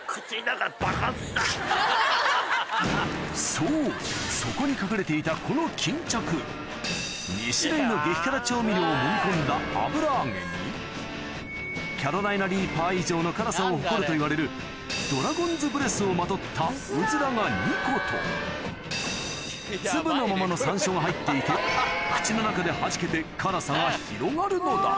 そう底に隠れていたこの２種類の激辛調味料をもみ込んだ油揚げにキャロライナ・リーパー以上の辛さを誇るといわれるドラゴンズ・ブレスをまとったうずらが２個と粒のままの山椒が入っていてと！